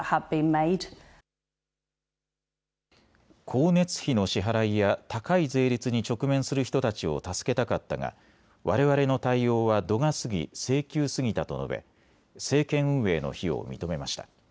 光熱費の支払いや高い税率に直面する人たちを助けたかったがわれわれの対応は度が過ぎ性急すぎたと述べ政権運営の非を認めました。